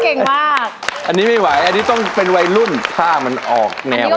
เก่งมากอันนี้ไม่ไหวอันนี้ต้องเป็นวัยรุ่นถ้ามันออกแนวไว้